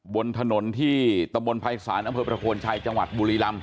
บนถนนที่ตำบลภัยศาลอำเภอประโคนชัยจังหวัดบุรีลำ